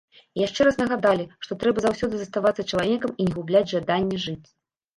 І яшчэ раз нагадалі, што трэба заўсёды заставацца чалавекам і не губляць жаданне жыць.